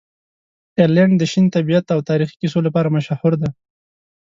آیرلنډ د شین طبیعت او تاریخي کیسو لپاره مشهوره دی.